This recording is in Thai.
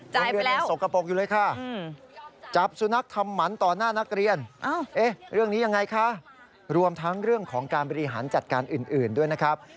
จ่ายไปแล้วจับสุนัขทำหมันต่อหน้านักเรียนรวมทั้งเรื่องของการบริหารจัดการอื่นด้วยนะครับ